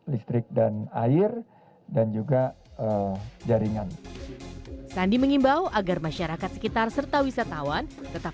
listrik dan air dan juga jaringan sandi mengimbau agar masyarakat sekitar serta wisatawan tetap